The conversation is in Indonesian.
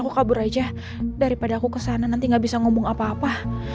aku kabur aja daripada aku kesana nanti gak bisa ngomong apa apa